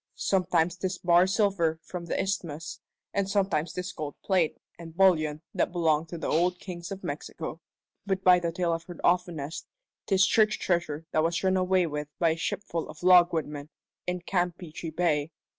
Sometimes 'tis bar silver from the isthmus, and sometimes 'tis gold plate and bullion that belonged to the old Kings of Mexico; but by the tale I've heard offtenest, 'tis church treasure that was run away with by a shipful of logwoodmen in Campeachy Bay.